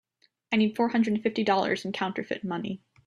I need four hundred and fifty dollars in counterfeit money.